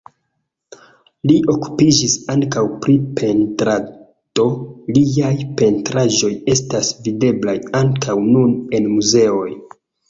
Li okupiĝis ankaŭ pri pentrado, liaj pentraĵoj estas videblaj ankaŭ nun en muzeoj.